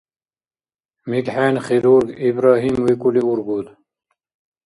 МикӀхӀен хирург Ибрагьим викӀули ургуд?